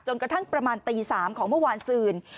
กระทั่งประมาณตี๓ของเมื่อวานซื่น